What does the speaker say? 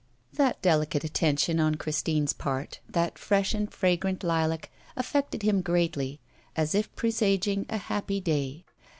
That delicate attention on Christine's part, that fresh and fragrant lilac, affected him greatly, as if presaging a happy day.